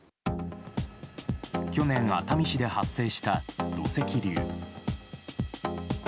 去年、熱海市で発生した土石流。